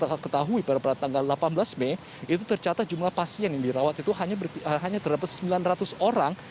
kita ketahui pada tanggal delapan belas mei itu tercatat jumlah pasien yang dirawat itu hanya terdapat sembilan ratus orang